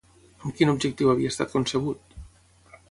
Amb quin objectiu havia estat concebut?